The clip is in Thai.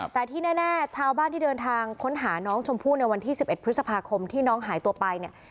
แต่ที่แน่ชาวบ้านที่เดินทางค้นหาน้องชมพู่ในวันที่๑๑พฤษภาคมที่น้องหายตัวไปเนี่ย